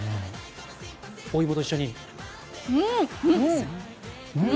お芋と一緒に。